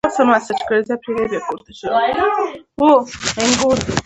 د مقعد د زخم لپاره کوم تېل وکاروم؟